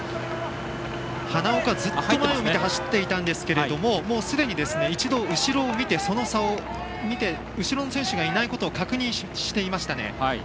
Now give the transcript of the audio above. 花岡、ずっと前を見て走っていたんですがもうすでに、一度、後ろを見てその差を見て、後ろの選手がいないことを確認していました。